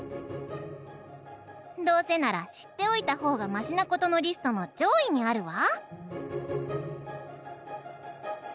「『どうせなら知っておいた方がましなこと』のリストの上位にあるわ」。